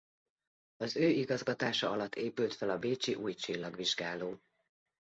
Az ő igazgatása alatt épült fel a bécsi új csillagvizsgáló.